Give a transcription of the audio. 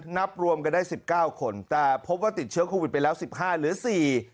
นับรวมกันได้สิบเก้าคนแต่พบว่าติดเชื้อโควิดไปแล้วสิบห้าเหลือสี่